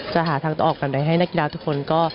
จะหาทางตอบกันได้ให้นักกีฬาทุกคน